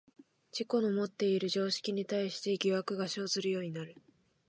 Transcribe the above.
自己のもっている常識に対して疑惑が生ずるようになる。